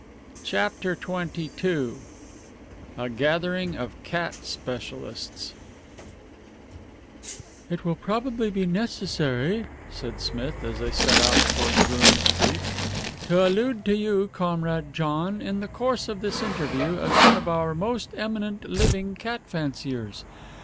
CHAPTER XXII A GATHERING OF CAT SPECIALISTS "It will probably be necessary," said Smith, as they set out for Groome Street, "to allude to you, Comrade John, in the course of this interview, as one of our most eminent living cat fanciers.